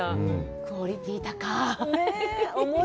クオリティー高い。